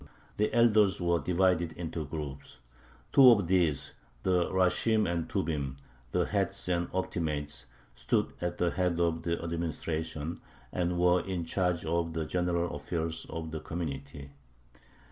The elders were divided into groups. Two of these, the rashim and tubim (the "heads" and "optimates"), stood at the head of the administration, and were in charge of the general affairs of the community.